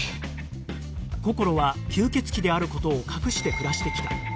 こころは吸血鬼である事を隠して暮らしてきた